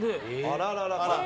あららら。